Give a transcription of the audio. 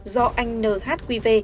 do anh nhqv